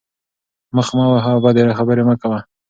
مخ مه وهه او بدې خبرې مه کوه.